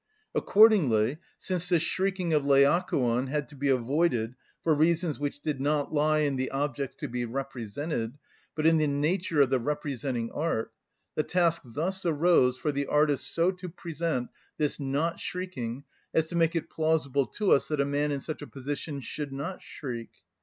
Accordingly, since the shrieking of Laocoon had to be avoided for reasons which did not lie in the objects to be represented, but in the nature of the representing art, the task thus arose for the artist so to present this not‐shrieking as to make it plausible to us that a man in such a position should not shriek.